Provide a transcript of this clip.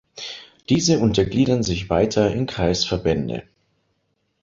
Diese untergliedern sich weiter in Kreisverbände.